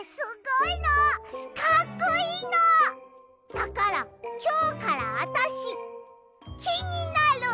だからきょうからあたしきになる！